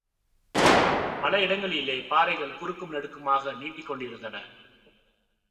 பல இடங்களிலே பாறைகள் குறுக்கும் நெடுக்குமாக நீட்டிக்கொண்டிருந்தன.